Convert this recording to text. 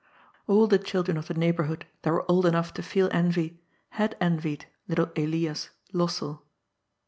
All the children of the neighbourhood that were old enough to feel envy had envied little Elias Lossell.